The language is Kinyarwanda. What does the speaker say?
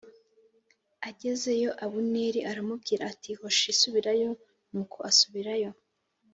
Agezeyo Abuneri aramubwira ati “Hoshi subirayo.” Nuko asubirayo.